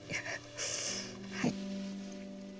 はい。